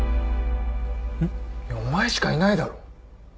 お前しかいないだろ。